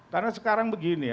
karena sekarang begini ya